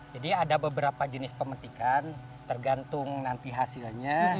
jadi ada beberapa jenis pemetikan tergantung nanti hasilnya